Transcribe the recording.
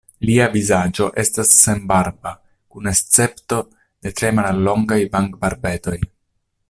Lia vizaĝo estas senbarba kun escepto de tre mallongaj vangbarbetoj.